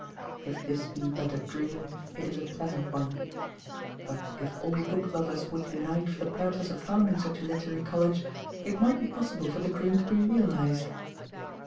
If this be but a dream, it is a pleasant one. But if all book lovers would unite for the purpose of founding such a Literary College, it might be possible for the dream to be realised.